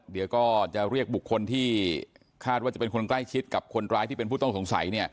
เดี๋ยวก็จะเรียกบุคคลที่คาดว่าจะเป็นคนใกล้ชิดกับคนร้ายที่เป็นผู้ต้องสงสัย